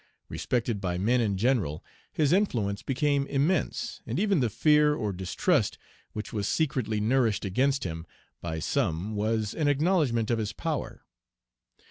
Respected by men in general, his influence became immense; and even the fear or distrust which was secretly nourished against him by some was an acknowledgment of his power.